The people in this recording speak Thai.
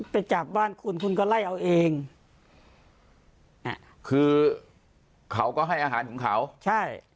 ไปจับบ้านคุณคุณก็ไล่เอาเองอ่ะคือเขาก็ให้อาหารของเขาใช่